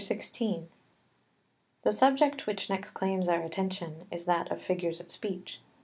] XVI The subject which next claims our attention is that of figures of speech.